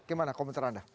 gimana komentar anda